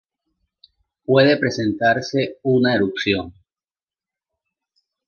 Puede presentarse una erupción.